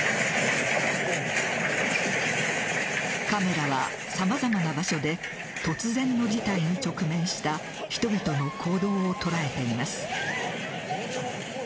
カメラは、さまざまな場所で突然の事態に直面した人々の行動を捉えています。